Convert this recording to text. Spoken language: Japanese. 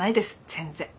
全然。